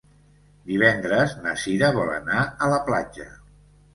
Divendres na Cira vol anar a la platja.